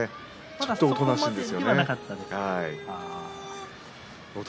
ちょっとおとなしい方です。